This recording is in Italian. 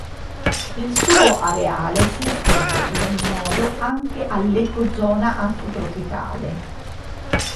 Il suo areale si estende, in ogni modo, anche all'ecozona afrotropicale